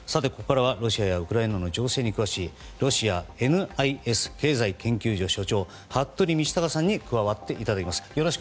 ここからはロシアやウクライナの情勢に詳しいロシアＮＩＳ経済研究所所長服部倫卓さんに加わっていただきます